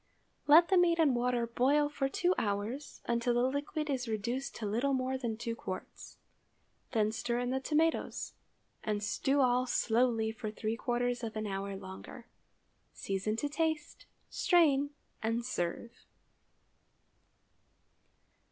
Let the meat and water boil for two hours, until the liquid is reduced to little more than two quarts. Then stir in the tomatoes, and stew all slowly for three quarters of an hour longer. Season to taste, strain, and serve.